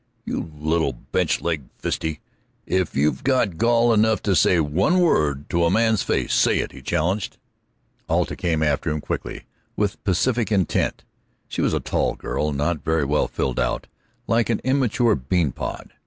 "You little bench leggid fiste, if you've got gall enough to say one word to a man's face, say it!" he challenged. Alta came after him, quickly, with pacific intent. She was a tall girl, not very well filled out, like an immature bean pod.